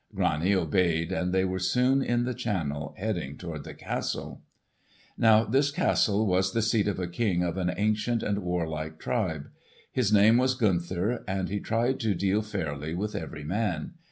Grani obeyed, and they were soon in the channel, heading toward the castle. Now this castle was the seat of a king of an ancient and warlike tribe. His name was Gunther, and he tried to deal fairly with every man.